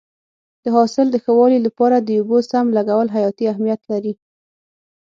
د حاصل د ښه والي لپاره د اوبو سم لګول حیاتي اهمیت لري.